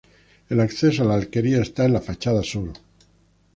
El acceso a la alquería está en la fachada sur.